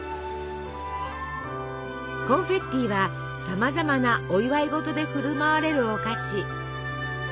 コンフェッティはさまざまなお祝い事で振る舞われるお菓子。